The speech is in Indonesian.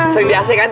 sering di ac kan